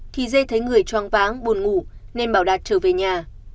thì dê thấy người choáng váng buồn ngủ nên bảo đạt trở về nhà